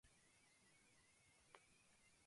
Ani reju ko'ẽrõ.